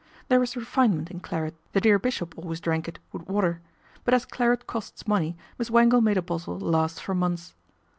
There is refinement in claret, the dear bishop always drank it, with water : but as claret costs money Miss Wangle made a bottle last for months.